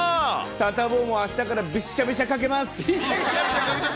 サタボーもあしたからびっしゃびしゃかけます。